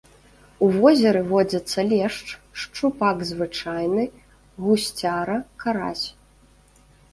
У возеры водзяцца лешч, шчупак звычайны, гусцяра, карась.